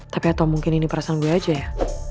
tapi atau mungkin ini perasaan gue aja ya